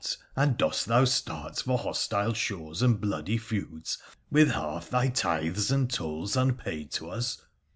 and dost thou start for hostile shores and bloody feuds with half thy tithes and tolls unpaid to us?